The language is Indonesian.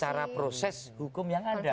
cara proses hukum yang ada